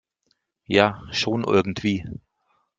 Ja, schon irgendwie.